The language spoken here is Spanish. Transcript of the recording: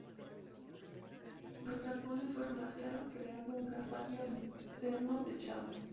Los galpones fueron vaciados, creando un gran patio interno techado.